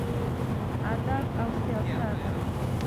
ادب او سياست: